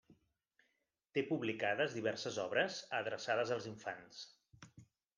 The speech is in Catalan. Té publicades diverses obres adreçades als infants.